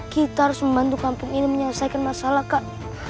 kita harus membantu kampung ini menyelesaikan masalah kak